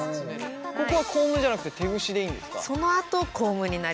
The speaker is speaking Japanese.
ここはコームじゃなくて手ぐしでいいんですか？